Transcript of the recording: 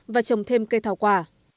và trồng thêm cây thảo quả